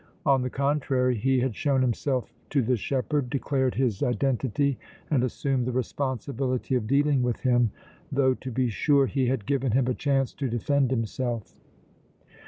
On the contrary he had shown himself to the shepherd, declared his identity and assumed the responsibility of dealing with him, though, to be sure, he had given him a chance to defend himself.